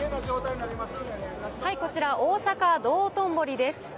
こちら大阪・道頓堀です。